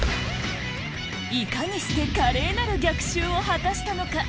いかにして華麗なる逆襲を果たしたのか？